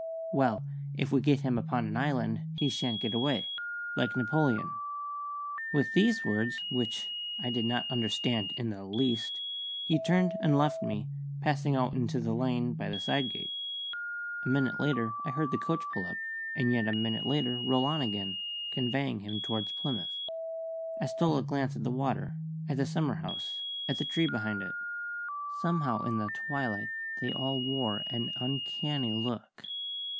Well, if we get him upon an island, he shan't get away, like Napoleon." With these words, which I did not understand in the least, he turned and left me, passing out into the lane by the side gate. A minute later I heard the coach pull up, and yet a minute later roll on again, conveying him towards Plymouth. I stole a glance at the water, at the summer house, at the tree behind it. Somehow in the twilight they all wore an uncanny look.